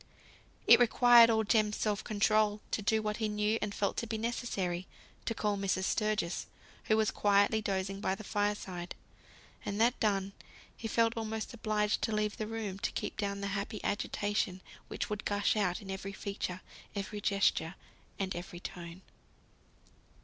It required all Jem's self control to do what he knew and felt to be necessary, to call Mrs. Sturgis, who was quietly dozing by the fireside; and that done, he felt almost obliged to leave the room to keep down the happy agitation which would gush out in every feature, every gesture, and every tone.